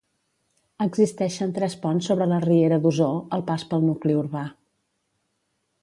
Existeixen tres ponts sobre la riera d'Osor al pas pel nucli urbà.